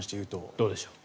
どうでしょう。